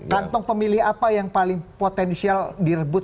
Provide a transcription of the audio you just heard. kantong pemilih apa yang paling potensial direbut